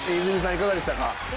いかがでしたか？